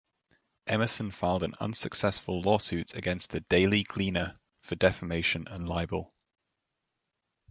Emmerson filed an unsuccessful lawsuit against the "Daily Gleaner" for defamation and libel.